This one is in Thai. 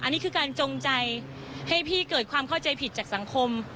อันนี้คือการจงใจให้พี่เกิดความเข้าใจผิดจากสังคม